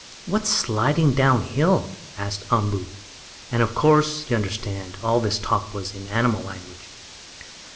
"What's sliding down hill?" asked Umboo, and of course, you understand, all this talk was in animal language.